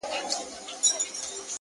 د رڼاگانو شيسمحل کي به دي ياده لرم ـ